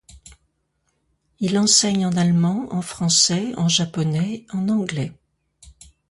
Il enseigne en allemand, en français, en japonais, en anglais.